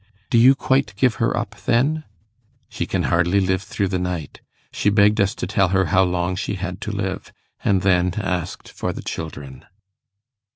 'Do you quite give her up then?' 'She can hardly live through the night. She begged us to tell her how long she had to live; and then asked for the children.